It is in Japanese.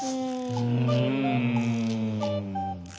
うん。